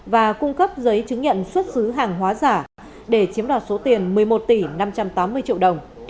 và cung cấp giấy chứng nhận xuất xứ hàng hóa giả để chiếm đoạt số tiền một mươi một tỷ năm trăm tám mươi triệu đồng